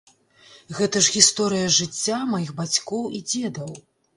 Гэта ж гісторыя жыцця маіх бацькоў і дзедаў.